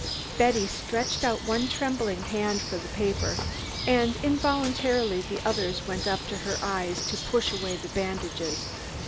Betty stretched out one trembling hand for the paper, and involuntarily the other went up to her eyes to push away the bandages.